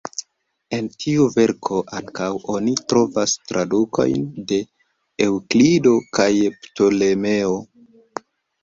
En tiu verko ankaŭ oni trovas tradukojn de Eŭklido kaj Ptolemeo.